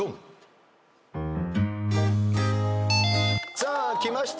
さあきました